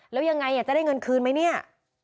แล้วยังไงจะได้เงินคืนไหมเนี่ย